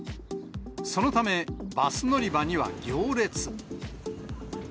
そのため、バス乗り場には行列。